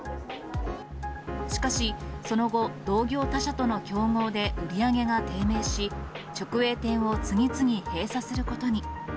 しかし、その後、同業他社との競合で売り上げが低迷し、直営店を次々閉鎖することに。